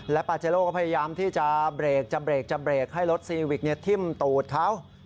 และปาเจโร่ก็พยายามที่จะเบรกให้รถซีวิกทิ้มตูดเขา